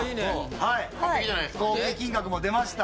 はい合計金額も出ました。